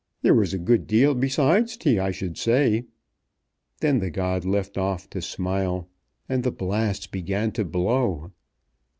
There was a good deal besides tea, I should say." Then the god left off to smile, and the blasts began to blow.